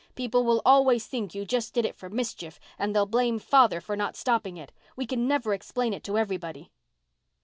People will always think you just did it for mischief, and they'll blame father for not stopping it. We can never explain it to everybody."